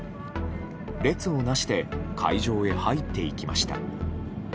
列をなして会場へ入っていきました。